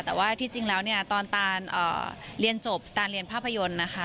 แต่ว่าที่จริงแล้วเนี่ยตอนตานเรียนจบตานเรียนภาพยนตร์นะคะ